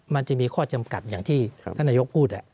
มันจะมีข้อจำกัดอย่างที่ท่านนายกพูด